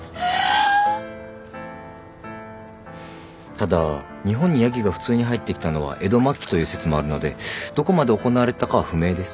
ただ日本にヤギが普通に入ってきたのは江戸末期という説もあるのでどこまで行われてたかは不明です。